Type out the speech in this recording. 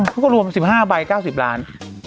เขาก็รวม๑๕ใบ๙๐ล้าน